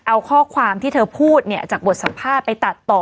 เอาข้อความที่เธอพูดเนี่ยจากบทสัมภาษณ์ไปตัดต่อ